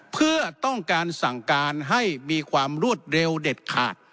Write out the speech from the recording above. เพื่อต้องการสั่งการให้มีความรวดเร็วเด็ดขาด